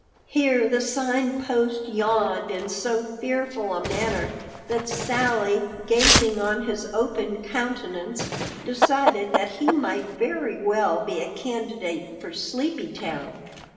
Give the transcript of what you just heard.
Here the Sign Post yawned in so fearful a manner that Sally, gazing on his open countenance, decided that he might very well be a candidate for Sleepy Town.